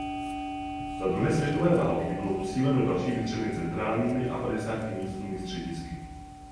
Za druhé světové války bylo posíleno dalšími třemi centrálními a padesáti místními středisky.